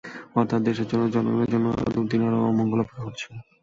অর্থাৎ দেশের জন্য, জনগণের জন্য আরও দুর্দিন আরও অমঙ্গল অপেক্ষা করছে।